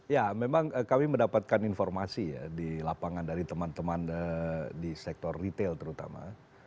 ya memang kami mendapatkan informasi ya di lapangan dari teman teman di sektor retail terutama